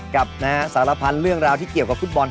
กับสารพันธ์เรื่องราวที่เกี่ยวมากนะครับ